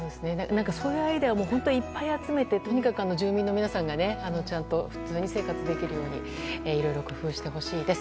そのアイデアをいっぱい集めて住民の皆さんがちゃんと普通に生活できるようにいろいろ工夫してほしいです。